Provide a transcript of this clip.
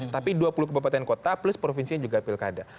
tapi dua puluh kabupaten kota plus provinsinya juga pilkada